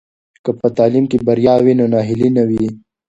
که په تعلیم کې بریا وي نو ناهیلي نه وي.